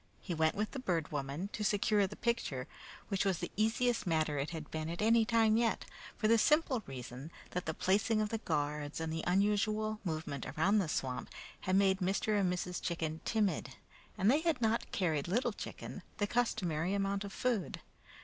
He went with the Bird Woman to secure the picture, which was the easiest matter it had been at any time yet, for the simple reason that the placing of the guards and the unusual movement around the swamp had made Mr. and Mrs. Chicken timid, and they had not carried Little Chicken the customary amount of food.